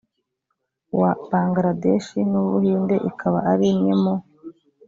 wa bangaladeshi n uw u buhindi ikaba ari imwe mu